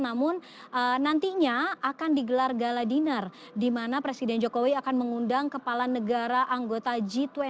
namun nantinya akan digelar gala dinner di mana presiden jokowi akan mengundang kepala negara anggota g dua puluh